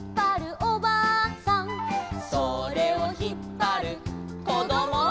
「それをひっぱるこども」